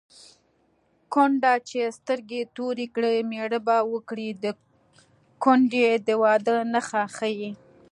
کونډه چې سترګې تورې کړي مېړه به وکړي د کونډې د واده نښه ښيي